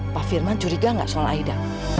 pak firman curiga nggak soal aida